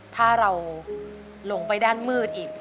ถ้าเราลงไปด้านมืดอีก